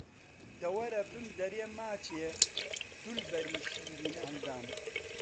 دە وەرە بمدەرێ ماچێ، دولبەری شیرین ئەندام